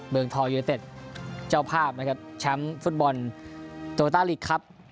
เมืองทองยูเนเต็ดเจ้าภาพนะครับแชมป์ฟุตบอลโตต้าลีกครับ